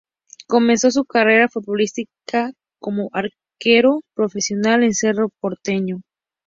Comenzó su carrera futbolística como arquero profesional en Cerro Porteño.